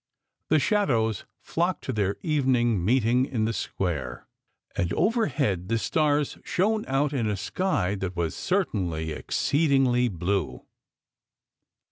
The shadows flocked to their evening meet ing in the square, and overhead the stars shone out in a sky that was certainly exceed ingly blue.